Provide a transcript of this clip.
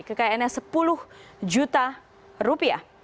kekayaannya sepuluh juta rupiah